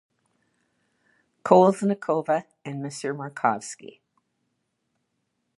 Kolesnikova, and M. Markovsky.